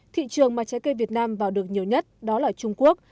thị trường mà trái cây việt nam vào được nhiều nhất đó là trung quốc